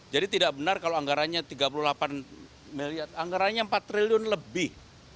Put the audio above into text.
jadi tidak benar kalau anggarannya tiga puluh delapan miliar anggarannya empat triliun lebih